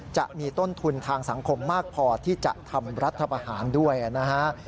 จะมีต้นทุนทางสังคมมากพอที่จะทำรัฐประหารด้วยนะฮะ